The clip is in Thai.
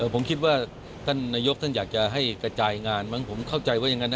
ผมคิดว่าท่านนายกท่านอยากจะให้กระจายงานมั้งผมเข้าใจว่าอย่างนั้นนะ